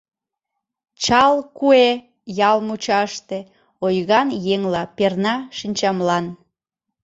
Чал куэ ял мучаште ойган еҥла перна шинчамлан.